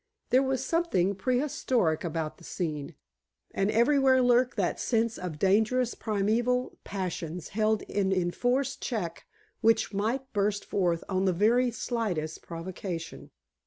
There was something prehistoric about the scene, and everywhere lurked that sense of dangerous primeval passions held in enforced check which might burst forth on the very slightest provocation.